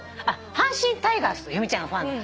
阪神タイガースと由美ちゃんのファンの。